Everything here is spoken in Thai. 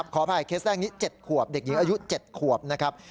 ขออภัยเคสแรกนี้๗ขวบเด็กหญิงอายุ๗ขวบนะครับ